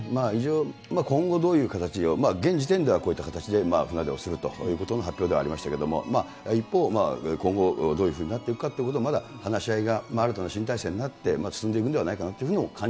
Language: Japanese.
今後、どういう形で、現時点ではこういった形で船出をするということの発表ではありましたけれども、一方今後、どういうふうになっていくかということも、まだ話し合いが、新たな新体制になって進んでいくのではないかな